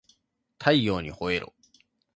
太陽にほえろ